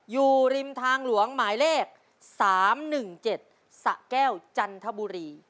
อยู่ริมทางหลวงหมายเลข๓๑๗สะแก้วจันทบุรี